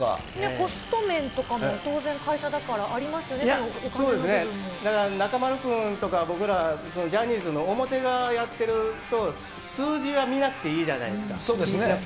コスト面とかも当然、会社だそうですね、中丸君とか僕ら、ジャニーズの表側やっていると、数字は見なくていいじゃないですか、気にしなくて。